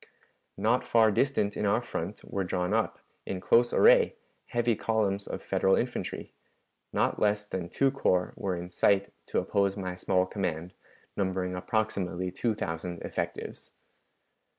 "Not far distant in our front were drawn up, in close array, heavy columns of Federal infantry; not leas than two corps were in sight to oppose my small command, numbering approximately two thousand effectives.